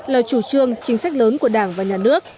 là chủ trương chính sách lớn của đảng và nhà nước